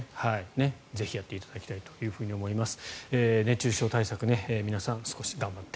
ぜひやっていただきたいと思います。